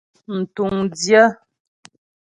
Mtuŋdyə́.